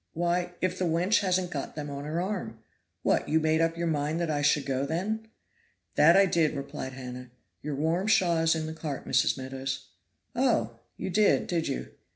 Why, if the wench hasn't got them on her arm. What, you made up your mind that I should go, then?" "That I did," replied Hannah. "Your warm shawl is in the cart, Mrs. Meadows." "Oh! you did, did you.